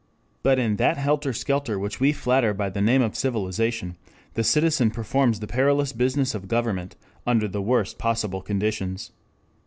But in that helter skelter which we flatter by the name of civilization, the citizen performs the perilous business of government under the worst possible conditions.